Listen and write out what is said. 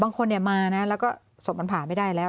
บางคนเนี้ยมาน่ะแล้วก็สมบันผ่าไม่ได้แล้ว